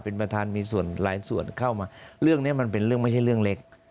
เป็นประธานมีส่วนหลายส่วนเข้ามาเรื่องนี้มันเป็นเรื่องไม่ใช่เรื่องเล็ก